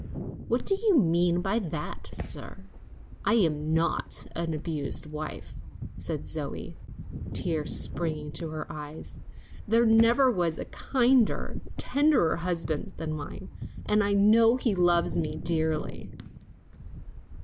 "What do you mean by that, sir? I am not an abused wife," said Zoe, tears springing to her eyes; "there never was a kinder, tenderer husband than mine, and I know he loves me dearly."